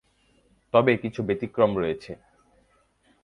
তবে কিছু ব্যতিক্রম রয়েছে।